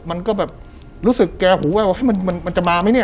มันก็แบบรู้สึกแกหูแววมันจะมาไหมเนี่ย